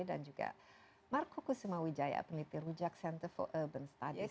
dan juga marco kusuma wijaya peneliti rujak center for urban studies